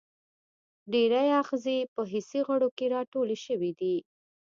ډیری آخذې په حسي غړو کې راټولې شوي دي.